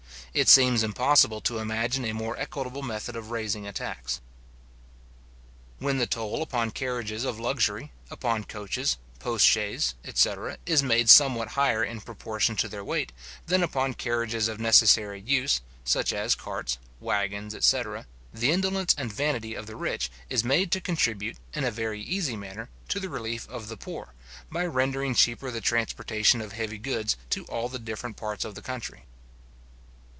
It seems impossible to imagine a more equitable method of raising a tax. When the toll upon carriages of luxury, upon coaches, post chaises, etc. is made somewhat higher in proportion to their weight, than upon carriages of necessary use, such as carts, waggons, etc. the indolence and vanity of the rich is made to contribute, in a very easy manner, to the relief of the poor, by rendering cheaper the transportation of heavy goods to all the different parts of the country.